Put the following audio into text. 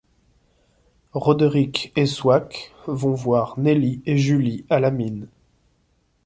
Roderich et Zwack vont voir Nelly et Julie à la mine.